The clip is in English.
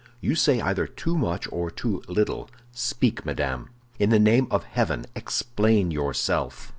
"You say either too much or too little; speak, madame. In the name of heaven, explain yourself."